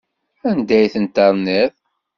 Anda ay tent-terniḍ?